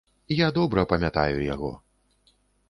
Я добра памятаю яго.